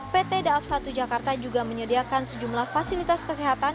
pt daob satu jakarta juga menyediakan sejumlah fasilitas kesehatan